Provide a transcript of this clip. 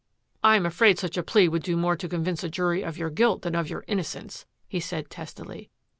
" I am afraid such a plea would do more to con vince a jury of your guilt than of your innocence," he said testily.